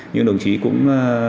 nhưng đồng chí cũng